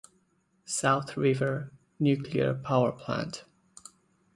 South River Nuclear Power Plant